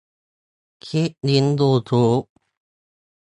คลิกลิงก์ยูทูบ